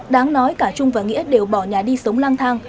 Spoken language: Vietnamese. đáng nói cả trung và nghĩa đều bỏ nhà đi sống lang thang